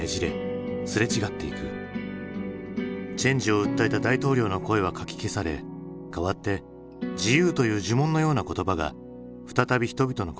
チェンジを訴えた大統領の声はかき消され代わって「自由」という呪文のような言葉が再び人々の心を捉え始めていた。